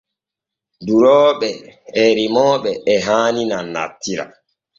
Durooɓe e remooɓe e haani nannantira.